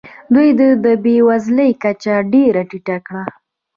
دوی د بې وزلۍ کچه ډېره ټیټه کړه.